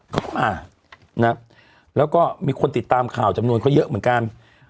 เขาก็มานะแล้วก็มีคนติดตามข่าวจำนวนเขาเยอะเหมือนกัน